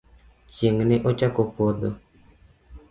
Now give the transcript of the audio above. Chieng' ne ochako podho .